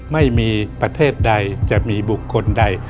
ไม่มีประเทศใดจะมีบุคคลใด